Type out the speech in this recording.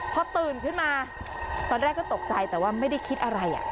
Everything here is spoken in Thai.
พอตื่นขึ้นมาตอนแรกก็ตกใจแต่ว่าไม่ได้คิดอะไร